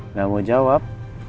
nggak mau jawab